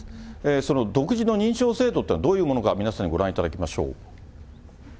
その独自の認証制度というのはどういうものか、皆さんにご覧いただきましょう。